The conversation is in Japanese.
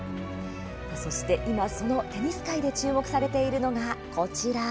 そして今、テニス界で注目されているのがこちら。